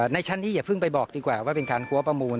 ในชั้นนี้อย่าเพิ่งไปบอกดีกว่าว่าเป็นการหัวประมูล